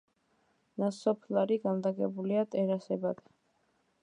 ნასოფლარი განლაგებულია ტერასებად.